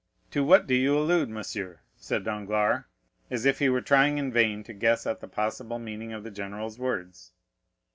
"To what do you allude, monsieur?" said Danglars; as if he were trying in vain to guess at the possible meaning of the general's words.